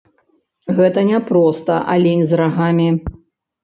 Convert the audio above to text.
Гэта не проста алень з рагамі.